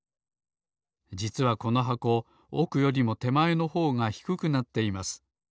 じつはこの箱おくよりもてまえのほうがひくくなっています。